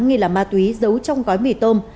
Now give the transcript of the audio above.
như là ma túy giấu trong gói mì tôm